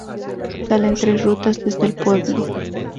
Sale tres rutas desde el pueblo.